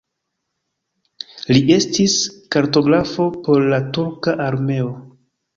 Li estis kartografo por la turka armeo.